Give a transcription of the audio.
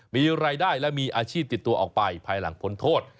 มีรายได้และมีอาชีพติดตัวออกไปภายหลังพ้นโทษ